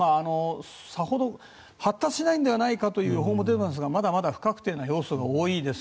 さほど発達しないんではないかという予報も出ていますがまだまだ不確定な要素が多いです。